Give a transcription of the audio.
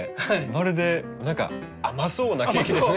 まるで何か甘そうなケーキですね。